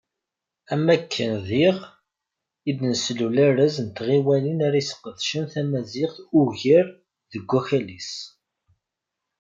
Am wakken diɣ, i d-neslul arraz n tɣiwant ara yesqedcen tamaziɣt ugar deg wakal-is.